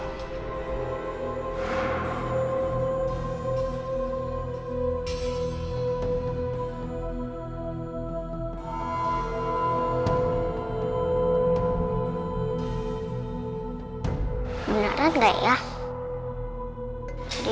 beneran nggak ya